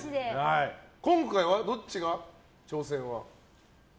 今回はどっちが挑戦を？